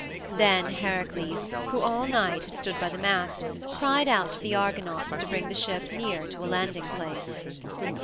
Then Heracles, who all night had stood by the mast, cried out to the Argonauts to bring the ship near to a landing place.